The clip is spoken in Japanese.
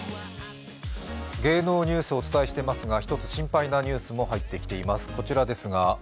芸能ニュースをお伝えしていますが、１つ心配なニュースが入ってきています。